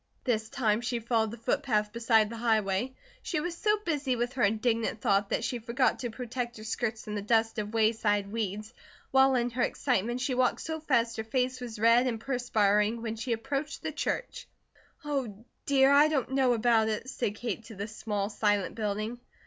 This time she followed the footpath beside the highway. She was so busy with her indignant thought that she forgot to protect her skirts from the dust of wayside weeds, while in her excitement she walked so fast her face was red and perspiring when she approached the church. "Oh, dear, I don't know about it," said Kate to the small, silent building.